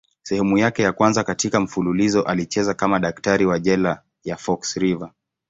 Sehemu yake ya kwanza katika mfululizo alicheza kama daktari wa jela ya Fox River.